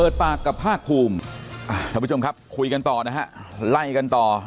ท่านผู้ชมครับคุยกันต่อนะฮะไล่กันต่อ